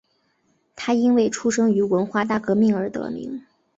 他因为出生于文化大革命而得名。